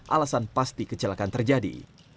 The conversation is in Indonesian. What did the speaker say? alasan pasti kecelakaan terjadi